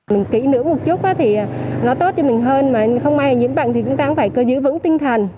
mình kỹ nửa một chút thì nó tốt cho mình hơn mà không ai nhiễm bệnh thì chúng ta cũng phải cứ giữ vững tinh thần